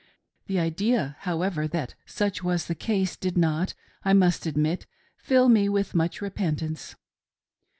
The idea, however, that such was the case did not, I must admit, fill me with much repentance.